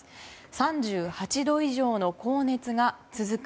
３８度以上の高熱が続く。